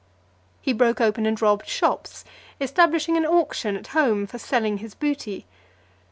He broke open and robbed shops; establishing an auction at home for selling his booty.